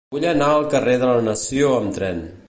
Vull anar al carrer de la Nació amb tren.